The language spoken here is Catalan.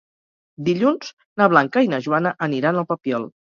Dilluns na Blanca i na Joana aniran al Papiol.